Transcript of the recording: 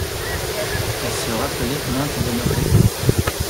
Elles se rappelaient maint bonheur défunt.